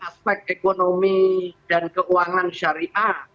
aspek ekonomi dan keuangan syariah